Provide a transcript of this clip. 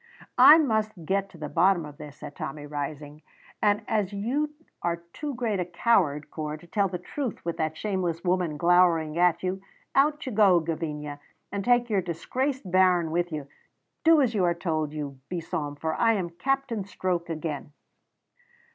"I must get to the bottom of this," said Tommy, rising, "and as you are too great a coward, Corp, to tell the truth with that shameless woman glowering at you, out you go, Gavinia, and take your disgraced bairn with you. Do as you are told, you besom, for I am Captain Stroke again."